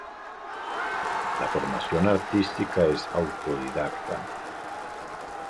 Su formación artística es autodidacta.